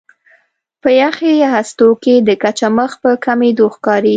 په یخي هستو کې د کچه مخ په کمېدو ښکاري.